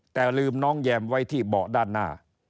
แต่ลืมน้องแยมไว้ที่เบาะด้านหน้า